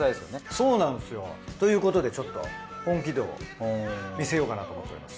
そうなんですよ。ということでちょっと本気度を見せようかなと思っております。